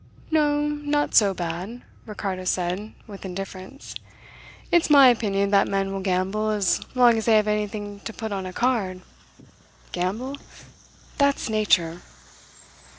"No, not so bad," Ricardo said, with indifference. "It's my opinion that men will gamble as long as they have anything to put on a card. Gamble? That's nature.